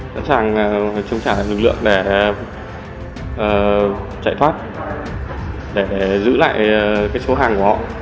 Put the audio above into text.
sẵn sàng chống trả lực lượng để chạy thoát để giữ lại số hàng của họ